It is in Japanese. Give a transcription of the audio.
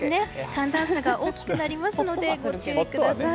寒暖差が大きくなりますのでご注意ください。